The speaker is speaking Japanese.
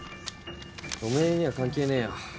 おめえには関係ねえよ